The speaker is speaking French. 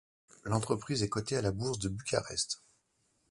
L'entreprise est coté à la Bourse de Bucarest.